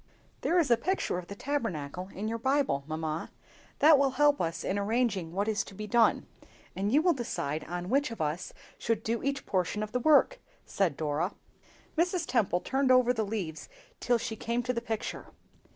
"THERE is a picture of the Tabernacle in your Bible, mamma; that will help us in arranging what is to be done; and you will decide on which of us should do each portion of the work," said Dora. Mrs. Temple turned over the leaves till she came to the picture.